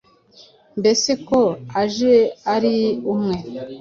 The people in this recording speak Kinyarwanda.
Mbese ko uje uri umwe,